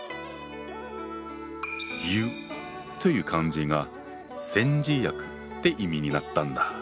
「湯」という漢字が「煎じ薬」って意味になったんだ。